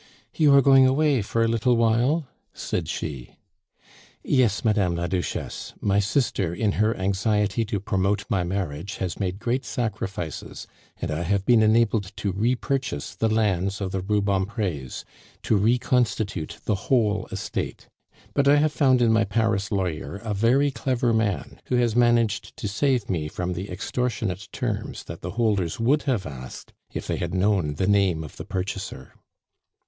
"You are going away for a little while?" said she. "Yes, Madame la Duchesse. My sister, in her anxiety to promote my marriage, has made great sacrifices, and I have been enabled to repurchase the lands of the Rubempres, to reconstitute the whole estate. But I have found in my Paris lawyer a very clever man, who has managed to save me from the extortionate terms that the holders would have asked if they had known the name of the purchaser."